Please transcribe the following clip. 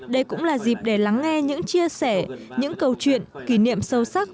đây cũng là dịp để lắng nghe những chia sẻ những câu chuyện kỷ niệm sâu sắc